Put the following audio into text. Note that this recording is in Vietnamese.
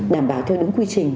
đảm bảo theo đúng quy trình